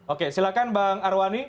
oke silahkan bang arawani